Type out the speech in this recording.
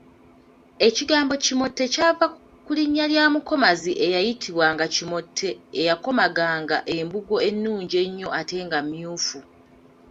Ekigambo kimote kyava ku linnya lya mukomazi eyayitibwanga Kimote eyakomaganga embugo ennungi ennyo ate nga myufu.